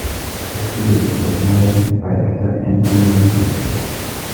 The series was narrated by actor Andrew Lincoln.